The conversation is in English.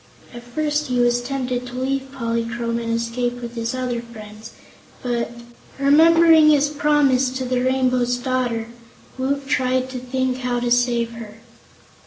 At first he was tempted to leave Polychrome and escape with his other friends, but remembering his promise to the Rainbow's Daughter Woot tried to think how to save her.